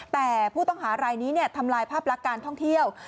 แต่ผู้ต้องหารายนี้ทำลายภาพลักษณ์การท่องเที่ยว